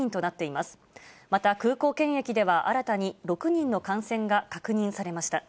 また空港検疫では、新たに６人の感染が確認されました。